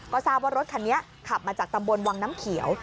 ก็ทราบว่ารถคันนี้ขับมาจากตำบลวังน้ำเขียว